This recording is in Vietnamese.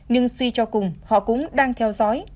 nhưng suy cho cùng họ cũng đang theo dõi